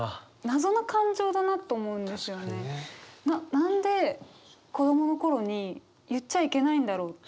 何で子供の頃に言っちゃいけないんだろうって。